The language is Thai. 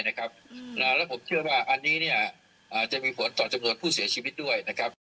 ผมเชื่อว่าอันนี้จะมีผลต่อจำนวนผู้เสียชีวิตด้วย